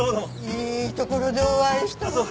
いいところでお会いしたわ。